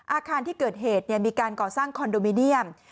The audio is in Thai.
อาคารที่เกิดเหตุมีการก่อสร้างคอนโดมิเนียม